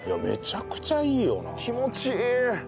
気持ちいい。